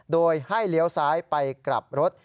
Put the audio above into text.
โดยให้เลี้ยวซ้ายไปกลับรถ